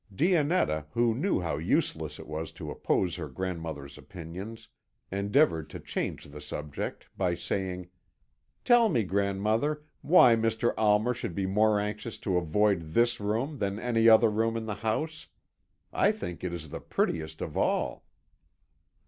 Dionetta, who knew how useless it was to oppose her grandmother's opinions, endeavoured to change the subject by saying: "Tell me, grandmother, why Mr. Almer should be more anxious to avoid this room than any other room in the house? I think it is the prettiest of all."